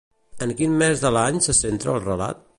En quin mes de l'any se centra el relat?